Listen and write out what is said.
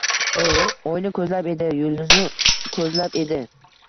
Oyni ko‘zlab edi, yulduzni ko‘zlab edi...